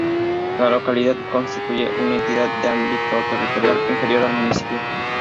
La localidad constituye una entidad de ámbito territorial inferior al municipio.